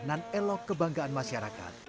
dan elok kebanggaan masyarakat